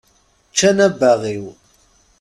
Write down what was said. Ččant abbaɣ-iw.